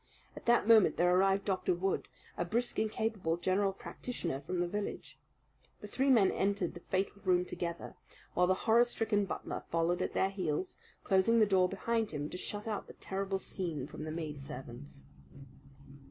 At that moment there arrived Dr. Wood, a brisk and capable general practitioner from the village. The three men entered the fatal room together, while the horror stricken butler followed at their heels, closing the door behind him to shut out the terrible scene from the maid servants.